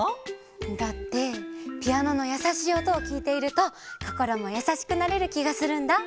だってピアノのやさしいおとをきいているとこころもやさしくなれるきがするんだ。